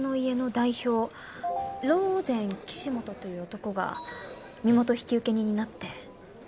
ローゼン岸本という男が身元引受人になって。